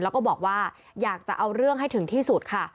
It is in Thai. แล้วก็บอกว่าอยากจะเอาเรื่องให้ถึงที่สุดค่ะ